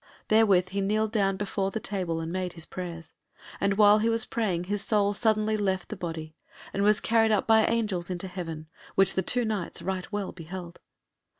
Therewith he kneeled down before the table and made his prayers, and while he was praying his soul suddenly left the body and was carried by angels up into heaven, which the two Knights right well beheld.